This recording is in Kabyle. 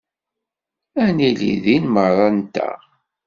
Ad nili din merra-nteɣ.